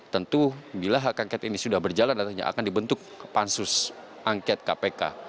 tentu bila hak angket ini sudah berjalan artinya akan dibentuk pansus angket kpk